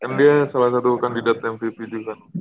dan dia salah satu kandidat mvp juga